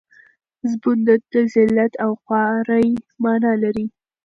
زبون د ذلت او خوارۍ مانا لري.